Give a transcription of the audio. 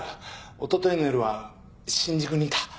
おとといの夜は新宿にいた。